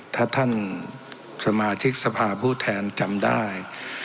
ถ้าท่านสมาชิกสภาผู้แทนจำได้